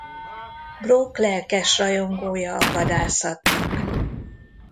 Brock lelkes rajongója a vadászatnak.